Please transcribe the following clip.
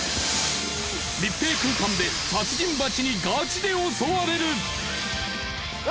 密閉空間で殺人バチにガチで襲われる！